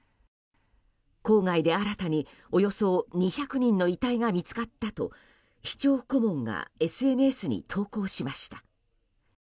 郊外で新たにおよそ２００人の遺体が見つかったと市長顧問がＳＮＳに投稿しました。